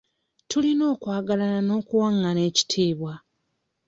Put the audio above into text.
Tulina okwagalaggana n'okuwangana ekitiibwa.